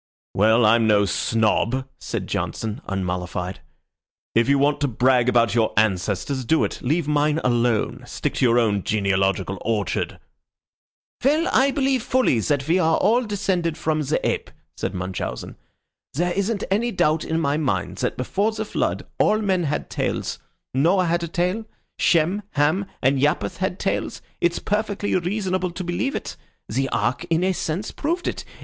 "Well, I'm no snob," said Johnson, unmollified. "If you want to brag about your ancestors, do it. Leave mine alone. Stick to your own genealogical orchard." "Well, I believe fully that we are all descended from the ape," said Munchausen. "There isn't any doubt in my mind that before the flood all men had tails. Noah had a tail. Shem, Ham, and Japheth had tails. It's perfectly reasonable to believe it. The Ark in a sense proved it.